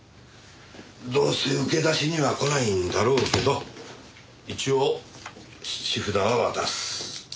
どうせ受け出しには来ないんだろうけど一応質札は渡す。